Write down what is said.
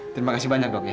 terima kasih banyak dok ya